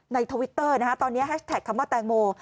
ทวิตเตอร์นะฮะตอนนี้แฮชแท็กคำว่าแตงโม